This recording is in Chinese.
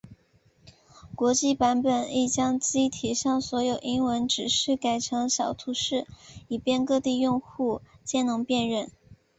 国际版本亦将机体上所有英文指示改成小图示以便各地用户皆能辨认。